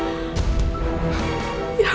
dan dianggap sebagai penyakit